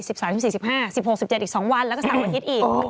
๑๖๑๗อีก๒วันแล้วก็เสาร์อาทิตย์อีก